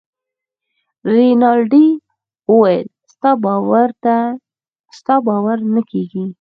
رینالډي وویل ستا باور نه کیږي.